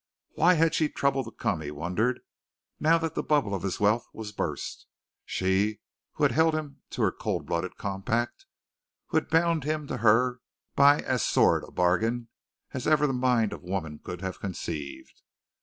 Why had she troubled to come, he wondered, now that the bubble of his wealth was burst, she, who had held him to her cold blooded compact, who had bound him to her by as sordid a bargain as ever the mind of woman could have conceived.